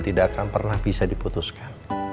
tidak akan pernah bisa diputuskan